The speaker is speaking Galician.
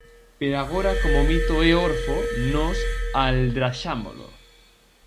Pero agora como o mito é orfo, nós aldraxámolo.